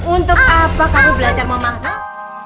untuk apa kamu belajar memanas